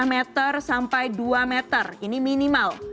lima meter sampai dua meter ini minimal